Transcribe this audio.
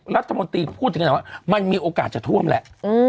รัฐมนตรีพูดถึงขนาดว่ามันมีโอกาสจะท่วมแหละ